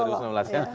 insya allah ya